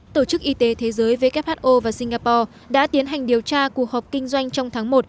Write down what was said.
tổ chức y tế thế giới who và singapore đã tiến hành điều tra cuộc họp kinh doanh trong tháng một